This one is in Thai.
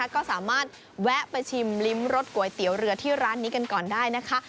ก็สามารถแวะไปชิมลิ้มรสก๋วยเตี๋ยวเรือที่ร้านนี้กันก่อนได้นะคะ